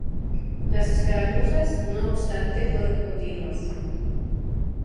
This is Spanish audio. Las escaramuzas, no obstante, fueron continuas.